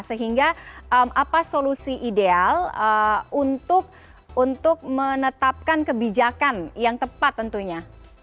sehingga apa solusi ideal untuk menetapkan kebijakan yang tepat tentunya